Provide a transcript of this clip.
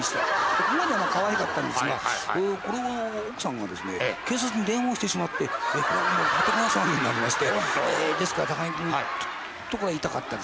ここまではまあかわいかったんですがこれを奥さんがですね警察に電話をしてしまってこれがもうパトカー騒ぎになりましてですから高木君ちょっとこれ痛かったですかね。